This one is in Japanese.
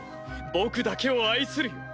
僕だけを愛するよ。